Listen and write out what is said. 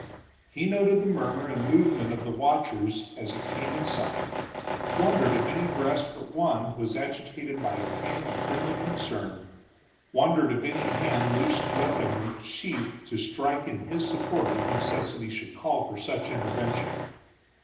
He noted the murmur and movement of the watchers as it came in sight; wondered if any breast but one was agitated by a pang of friendly concern, wondered if any hand loosed weapon in its sheath to strike in his support if necessity should call for such intervention.